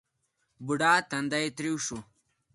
بوډا تندی ترېو شو.